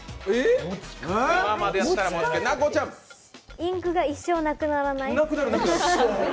インクが一生なくならない？